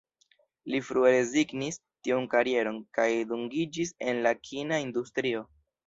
Li frue rezignis tiun karieron, kaj dungiĝis en la kina industrio.